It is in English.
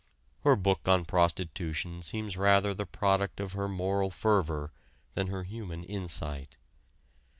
Her book on prostitution seems rather the product of her moral fervor than her human insight.